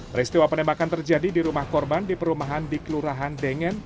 peristiwa penembakan terjadi di rumah korban di perumahan di kelurahan dengen